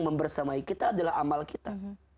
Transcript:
membersamai kita adalah amal kita